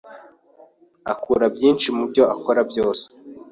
Akura byinshi mubyo akora byose.